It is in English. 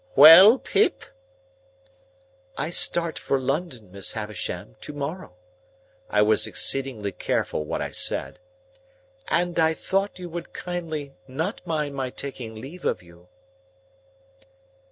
"Well, Pip?" "I start for London, Miss Havisham, to morrow," I was exceedingly careful what I said, "and I thought you would kindly not mind my taking leave of you."